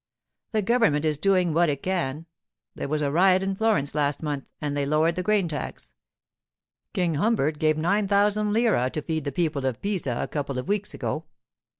'The government is doing what it can. There was a riot in Florence last month, and they lowered the grain tax; King Humbert gave nine thousand lire to feed the people of Pisa a couple of weeks ago.